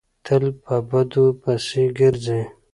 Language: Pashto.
تل په بدو پسې ګرځي.